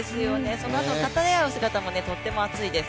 そのあとたたえ合う姿もとっても熱いです。